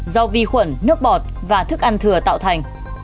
do vi khuẩn nước bọt và thức ăn thừa tạo thành